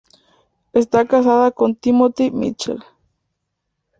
Está casada con Timothy Mitchell.